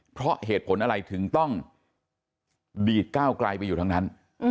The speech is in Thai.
เพราะเหตุผลอะไรถึงต้องดีดก้าวไกลไปอยู่ทั้งนั้น